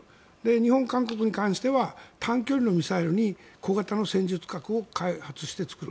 日本、韓国に関しては短距離のミサイルに小型の戦術核を開発してつける。